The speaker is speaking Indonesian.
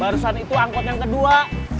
itu kenneth di angkot yang kedua